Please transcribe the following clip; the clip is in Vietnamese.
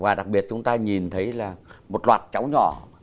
và đặc biệt chúng ta nhìn thấy là một loạt cháu nhỏ